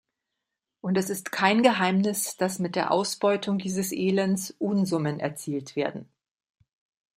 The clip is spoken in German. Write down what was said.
Und es ist kein Geheimnis, dass mit der Ausbeutung dieses Elends Unsummen erzielt werden.